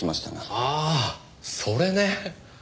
ああそれね。